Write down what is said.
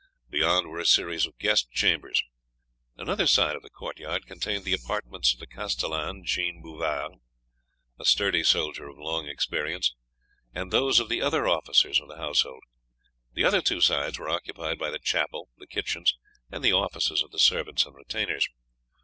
Beyond were a series of guest chambers. Another side of the court yard contained the apartments of the castellan, Jean Bouvard, a sturdy soldier of long experience, and those of the other officers of the household; the other two sides were occupied by the chapel, the kitchens, and the offices of the servants and retainers.